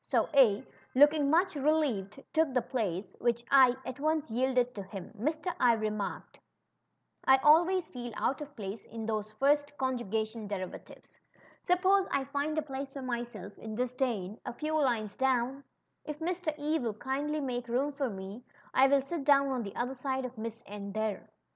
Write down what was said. So A, looking much relieved, took the at once yielded to him ; Mr. I remarked, I alv^ays feel out of place in those first conjugation derivatives. Suppose I find a place for myself in disdane^ a few lines down ? If Mr. E will kindly make room for me I will sit down on the other side of Miss N, there."